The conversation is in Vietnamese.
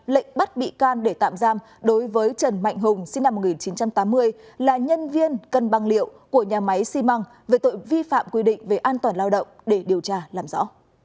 lệnh bắt bị can để tạm giam đối với trần mạnh hùng sinh năm một nghìn chín trăm tám mươi là nhân viên cân băng liệu của nhà máy xi măng về tội vi phạm quy định về an toàn lao động để điều tra làm rõ